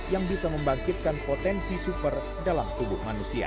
yang bisa membangkitkan potensi super dalam tubuh manusia